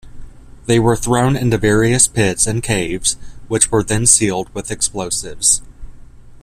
They were thrown into various pits and caves, which were then sealed with explosives.